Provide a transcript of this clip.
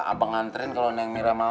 abang anterin kalau neng mira mau